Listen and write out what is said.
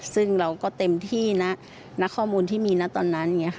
ซึ่งเราก็เต็มที่นะข้อมูลที่มีนะตอนนั้น